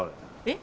え？